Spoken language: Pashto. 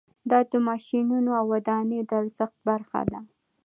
دا د ماشینونو او ودانیو د ارزښت برخه ده